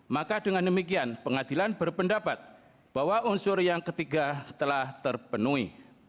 maka dengan demikian pengadilan berpendapat bahwa unsur yang ketiga telah terpenuhi